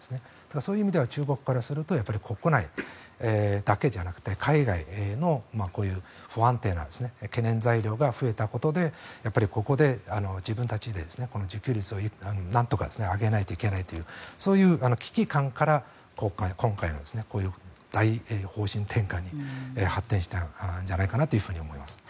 そういう意味では中国からすると国内だけじゃなくて海外の不安定な懸念材料が増えたことでここで自分たちでこの自給率をなんとか上げないといけないというそういう危機感から今回の大方針転換に発展したんじゃないかなと思います。